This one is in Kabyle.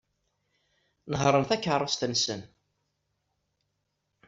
Nehhṛen takeṛṛust-nsen.